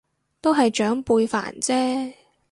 都係長輩煩啫